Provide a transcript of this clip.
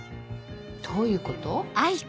どういうこと？